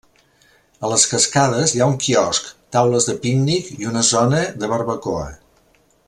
A les cascades hi ha un quiosc, taules de pícnic i una zona de barbacoa.